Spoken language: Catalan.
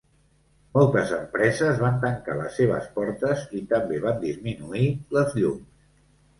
Moltes empreses van tancar les seves portes i també van disminuir les llums.